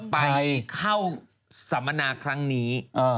ไปเข้าสัมมนาครั้งนี้